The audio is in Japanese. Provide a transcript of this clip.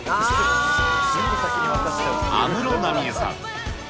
安室奈美恵さん。